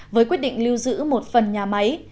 với quyết định lưu giữ một phần nhà máy